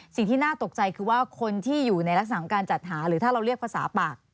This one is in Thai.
สิ่งที่น่าตกใจคือว่าคนที่อยู่ในลักษณะของการจัดหาหรือถ้าเราเรียกภาษาปาก